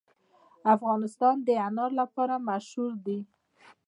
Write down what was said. افغانستان د انار لپاره مشهور دی.